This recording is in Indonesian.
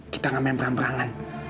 kita gak main perang berangan